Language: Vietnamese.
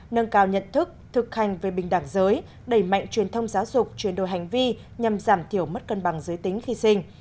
nâng cao nhận thức thực hành về bình đẳng giới đẩy mạnh truyền thông giáo dục chuyển đổi hành vi nhằm giảm thiểu mất cân bằng giới tính khi sinh